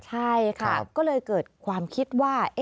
ใช่ค่ะก็เลยเกิดความคิดว่า